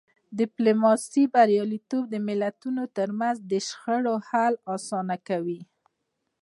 د ډیپلوماسی بریالیتوب د ملتونو ترمنځ د شخړو حل اسانه کوي.